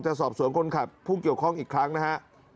สอบสวนคนขับผู้เกี่ยวข้องอีกครั้งนะฮะ